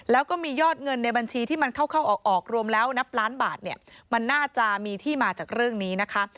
แล้วก็มียอดเงินในบัญชีที่มันเข้าออกรวมแล้วนับล้านบาทเนี่ยมันน่าจะมีที่มาจากเรื่องนี้นะคะ